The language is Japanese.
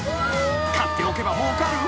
［買っておけばもうかる？］